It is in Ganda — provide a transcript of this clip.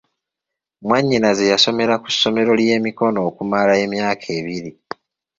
Mwannyinaze yasomera ku ssomero ly'emikono okumala emyaka ebiri.